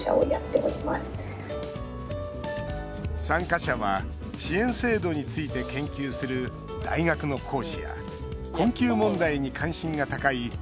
参加者は支援制度について研究する大学の講師や困窮問題に関心が高い